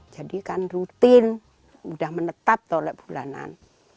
jadi kan rutin sudah menetap tolek bulanan